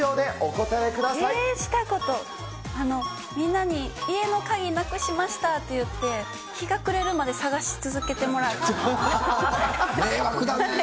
えー、したこと、みんなに家の鍵なくしましたって言うて、日が暮れるまで探し続け迷惑だねえ。